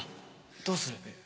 どうする？